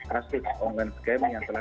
rasus online scam yang telah